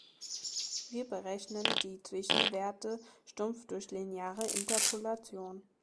Wir berechnen die Zwischenwerte stumpf durch lineare Interpolation.